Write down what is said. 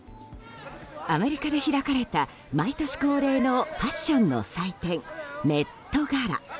アメリカで開かれた毎年恒例のファッションの祭典メットガラ。